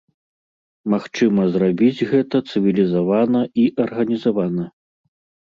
Магчыма зрабіць гэта цывілізавана і арганізавана.